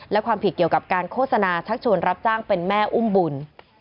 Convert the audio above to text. และความผิดเกี่ยวกับการโฆษณาชักชวนรับจ้างเป็นแม่อุ้มบุญ